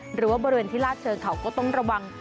หรือว่าบริเวณที่ลาดเชิงเขาก็ต้องระวัง